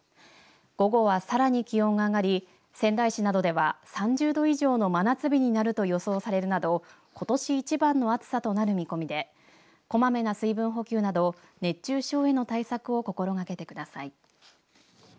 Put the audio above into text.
午後はさらに気温が上がり仙台市などでは３０度以上の真夏日になると予想されるなどことし一番の暑さとなる見込みでこまめな水分補給など熱中症への対策を心がけてください。